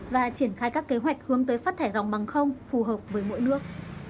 và triển khai các kế hoạch hướng tới phát thải ròng bằng không phù hợp với mỗi nước